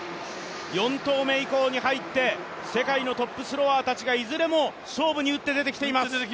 ４投目以降に入って、世界のトップスローワーたちがいずれも勝負に出てきています。